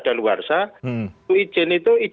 ada luar sah itu izin itu